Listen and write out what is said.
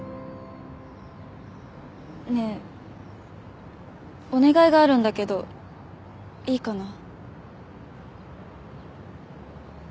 ねえお願いがあるんだけどいいかな？